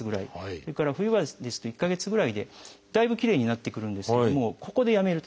それから冬場ですと１か月ぐらいでだいぶきれいになってくるんですけどもここでやめると駄目なんですね。